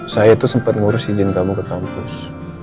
saya itu sempat ngurus izin kamu ke kampus